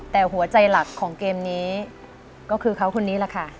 แต่หัวใจหลักของเกมนี้ก็คือเขาคนนี้แหละค่ะ